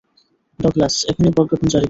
Douglas, এখনই প্রজ্ঞাপন জারি করো।